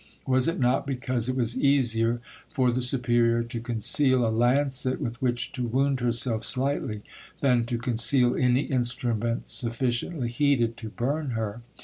Was it not because it was easier for the superior to conceal a lancet with which to wound herself slightly, than to conceal any instrument sufficiently heated to burn her?